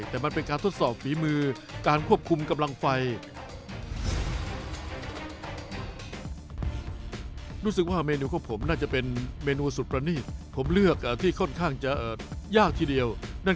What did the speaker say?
แต่ว่าเมนูนี้นั้น